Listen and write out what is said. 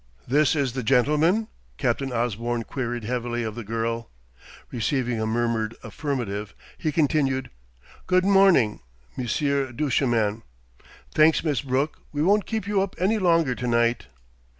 "This is the gentleman?" Captain Osborne queried heavily of the girl. Receiving a murmured affirmative, he continued: "Good morning, Monsieur Duchemin.... Thanks, Miss Brooke; we won't keep you up any longer to night."